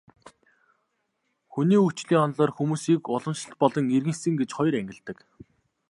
Хүний хөгжлийн онолоор хүмүүсийг уламжлалт болон иргэншсэн гэж хоёр ангилдаг.